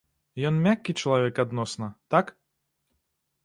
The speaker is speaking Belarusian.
Ён мяккі чалавек адносна, так?